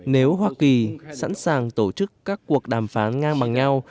nếu hoa kỳ sẵn sàng tổ chức các cuộc đàm phán ngang bằng nhau